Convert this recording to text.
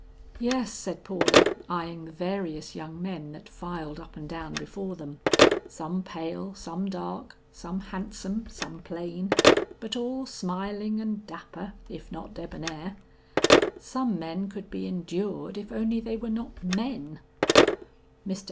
"Yes," said Paula, eying the various young men that filed up and down before them, some pale, some dark, some handsome, some plain, but all smiling and dapper, if not debonair, "some men could be endured if only they were not men." Mr.